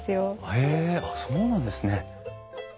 へえあっそうなんですね。